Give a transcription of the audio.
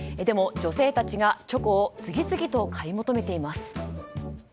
でも女性たちがチョコを次々と買い求めています。